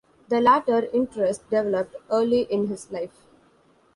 The latter interest developed early in his life.